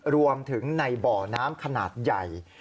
รวมถึงในบ่อน้ำขนาดใหญ่